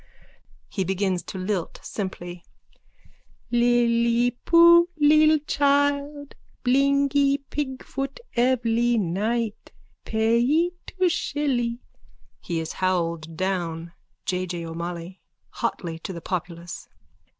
(He begins to lilt simply.) Li li poo lil chile Blingee pigfoot evly night Payee two shilly... (He is howled down.) J. J. O'MOLLOY: _(Hotly to the populace.)